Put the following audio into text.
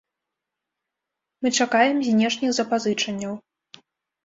Мы чакаем знешніх запазычанняў.